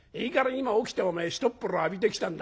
今起きてひとっ風呂浴びてきたんだ。